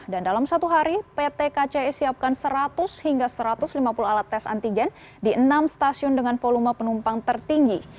dan dalam satu hari pt kci siapkan seratus hingga satu ratus lima puluh alat tes antigen di enam stasiun dengan volume penumpang tertinggi